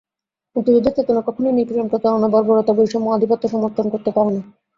মুক্তিযুদ্ধের চেতনা কখনোই নিপীড়ন, প্রতারণা, বর্বরতা, বৈষম্য, আধিপত্য সমর্থন করতে পারে না।